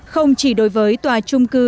không chỉ đối với tòa trung cư